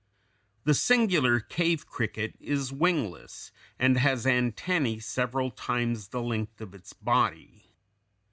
The singular cave cricket is wingless, and has antennæ several times the length of its body.